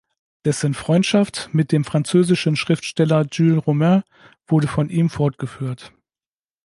Dessen Freundschaft mit dem französischen Schriftsteller Jules Romains wurde von ihm fortgeführt.